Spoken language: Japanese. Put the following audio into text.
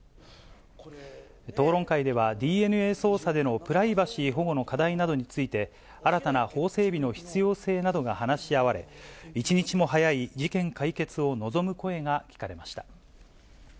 討論会では、ＤＮＡ捜査でのプライバシー保護の課題などについて、新たな法整備の必要性などが話し合われ、一日も早い事件解決を望む声が聞かれました。